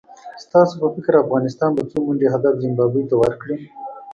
ستاسو په فکر افغانستان به څو منډي هدف زیمبابوې ته ورکړي؟